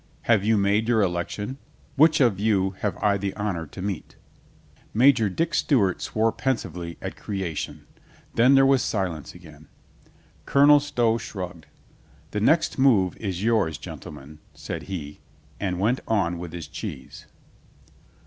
Have you made your election? Which of you have I the honor to meet?" Major Dick Stewart swore pensively at creation. Then there was silence again. Colonel Stow shrugged. "The next move is yours, gentlemen," said he, and went on with his cheese.